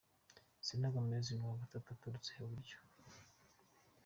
Selena Gomez ni uwa gatatu uturutse iburyo.